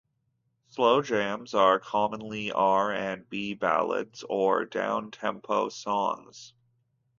Slow jams are commonly R and B ballads or downtempo songs.